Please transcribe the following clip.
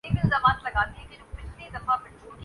کیا اس کی ضرورت ہے؟